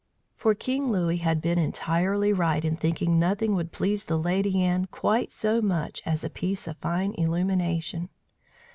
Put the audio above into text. For King Louis had been entirely right in thinking nothing would please the Lady Anne quite so much as a piece of fine illumination.